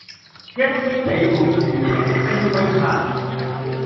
一天你會如明星璀璨